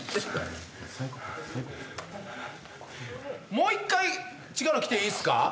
もう１回違うの着ていいっすか？